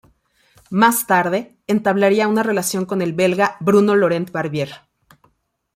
Más tarde, entablaría una relación con el belga Bruno Laurent Barbier.